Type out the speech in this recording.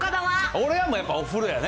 俺はもう、やっぱりお風呂やね。